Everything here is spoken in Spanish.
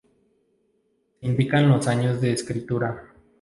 Se indican los años de escritura.